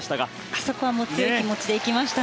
あそこは強い気持ちでいきました。